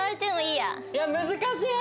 いや難しい！